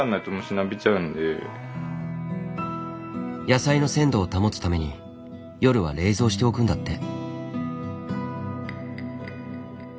野菜の鮮度を保つために夜は冷蔵しておくんだって。